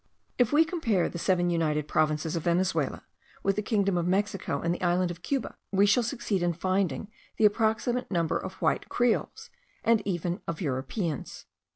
If we compare the seven united provinces of Venezuela with the kingdom of Mexico and the island of Cuba, we shall succeed in finding the approximate number of white Creoles, and even of Europeans.